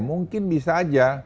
mungkin bisa aja